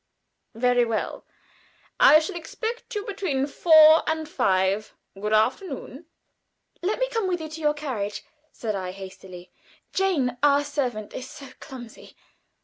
"Very well. I shall expect you between four and five. Good afternoon." "Let me come with you to your carriage," said I, hastily. "Jane our servant is so clumsy."